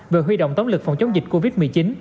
về huy động tống lực phòng chống dịch covid một mươi chín